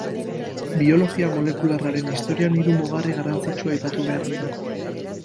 Biologia molekularraren historian hiru mugarri garrantzitsu aipatu behar dira.